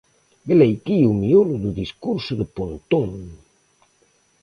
Velaquí o miolo do discurso de Pontón.